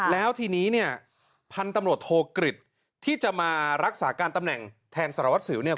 แล้วทีนี้เนี่ยพันธุ์ตำรวจโทกฤษที่จะมารักษาการตำแหน่งแทนสารวัตรสิวเนี่ย